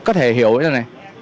anh có thể hiểu như thế này